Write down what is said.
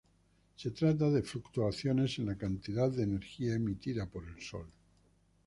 Se trata de fluctuaciones en la cantidad de energía emitida por el Sol.